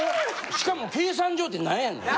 しかも計算上ってなんやねん？